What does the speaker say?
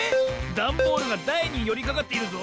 ダンボールがだいによりかかっているぞ。